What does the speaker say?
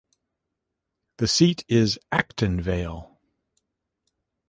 The seat is Acton Vale.